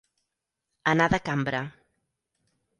Anar de cambra.